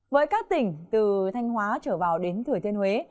với các tỉnh từ thanh hóa trở vào đến thừa thiên huế